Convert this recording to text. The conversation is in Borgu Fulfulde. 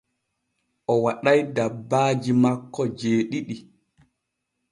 O waɗay dabbaaji makko jeeɗiɗi.